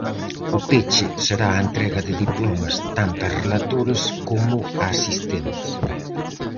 O peche será a entrega de diplomas tanto a relatores como a asistentes.